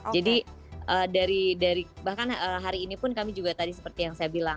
jadi dari bahkan hari ini pun kami juga tadi seperti yang saya bilang